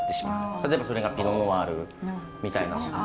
例えばそれがピノ・ノワールみたいなもの。